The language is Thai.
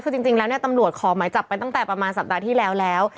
คือจริงแล้วเนี่ยตำรวจขอหมายจับไปตั้งแต่ประมาณสัปดาห์ที่แล้วแล้ว